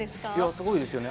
すごいですね。